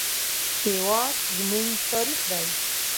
هېواد زموږ تاریخ دی